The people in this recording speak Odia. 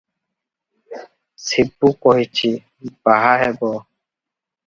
ଶିବୁ କହିଛି, ବାହା ହେବ ।